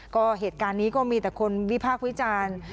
ก็เหตุการณ์นี้ก็มีแต่คนวิพากษ์วิจารณ์